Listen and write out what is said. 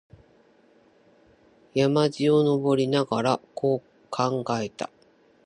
山路を登りながら、こう考えた。